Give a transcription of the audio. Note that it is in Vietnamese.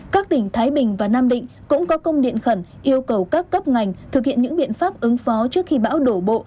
các tỉnh thái bình và nam định cũng có công điện khẩn yêu cầu các cấp ngành thực hiện những biện pháp ứng phó trước khi bão đổ bộ